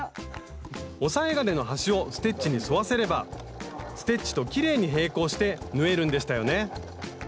押さえ金の端をステッチに沿わせればステッチときれいに平行して縫えるんでしたよね